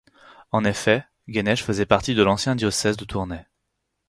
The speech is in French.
En effet, Genech faisait partie de l'ancien diocèse de Tournai.